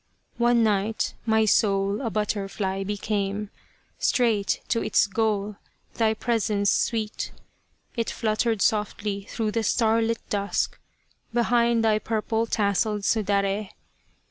One night my soul a butterfly became : Straight to its goal thy presence sweet, It fluttered softly through the starlit dusk Behind thy purple tasselled suddre.